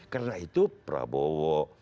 karena itu prabowo